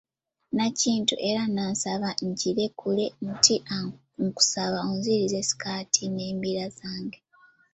Nakintu era n'asaba ekikilekule nti, nkusaba onzirize sikaati n'embira zange.